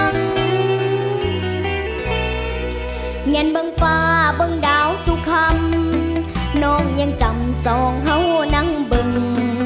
เงินเบิงฟ้าเบิ้งดาวสุคำน้องยังจำสองเห่านั่งบึง